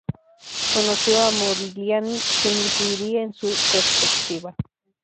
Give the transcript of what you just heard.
Conoció a Modigliani, quien influiría en su perspectiva.